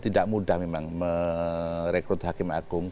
tidak mudah memang merekrut hakim agung